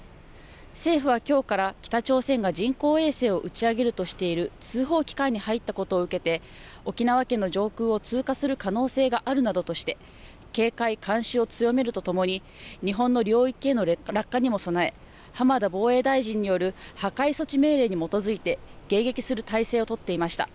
政府はきょうから北朝鮮が人工衛星を打ち上げるとしている通報期間に入ったことを受けて、沖縄県の上空を通過する可能性があるなどとして、警戒、監視を強めるとともに、日本の領域への落下にも備え、浜田防衛大臣による破壊措置命令に基づいて、迎撃する態勢を取っていました。